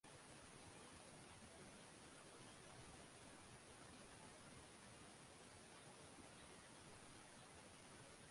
শুরুর পরপরই, অনুষ্ঠানটি আরব টেলিভিশনে সর্বোচ্চ পরিচিত ব্যবসায়িক অনুষ্ঠান হয়ে ওঠে।